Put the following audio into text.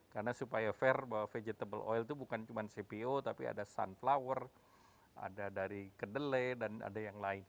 karena supaya fair bahwa vegetable oil itu bukan cuma cpo tapi ada sunflower ada dari kedele dan ada yang lain